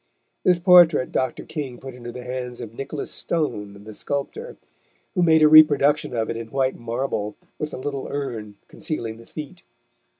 This portrait Dr. King put into the hands of Nicholas Stone, the sculptor, who made a reproduction of it in white marble, with the little urn concealing the feet.